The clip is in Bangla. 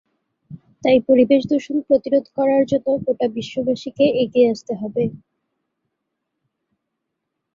তাই পরিবেশ দূষণ প্রতিরোধ করার জন্য গোটা বিশ্ববাসীকে এগিয়ে আসতে হবে।